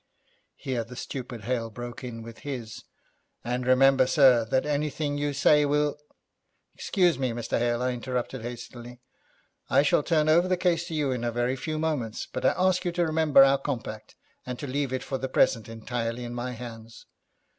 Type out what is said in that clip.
Here the stupid Hale broke in with his 'And remember, sir, that anything you say will be ' 'Excuse me, Mr. Hale,' I interrupted hastily, 'I shall turn over the case to you in a very few moments, but I ask you to remember our compact, and to leave it for the present entirely in my hands.